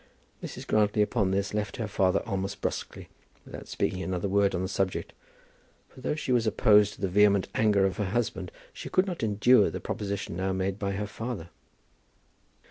Mrs. Grantly upon this left her father almost brusquely, without speaking another word on the subject; for, though she was opposed to the vehement anger of her husband, she could not endure the proposition now made by her father.